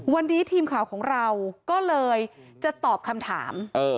วันนี้ทีมข่าวของเราก็เลยจะตอบคำถาม